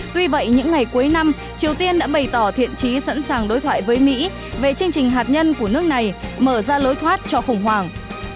tuy vậy những ngày cuối năm triều tiên đã bày tỏ thiện trí sẵn sàng đối thoại với mỹ về chương trình hạt nhân của nước này mở ra lối thoát cho khủng hoảng